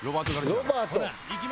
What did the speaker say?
ロバート。